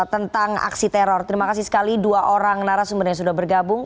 tentang aksi teror terima kasih sekali dua orang narasumber yang sudah bergabung